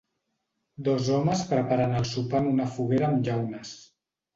Dos homes preparen el sopar en una foguera amb llaunes.